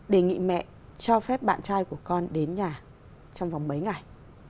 đề nghị mẹ cho phép bạn trai của con đến nhà trong vòng mấy ngày